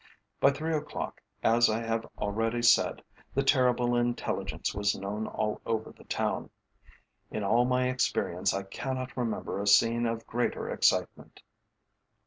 By three o'clock, as I have already said, the terrible intelligence was known all over the town. In all my experience I cannot remember a scene of greater excitement.